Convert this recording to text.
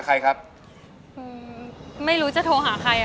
เข้ามามาให้ชำครับ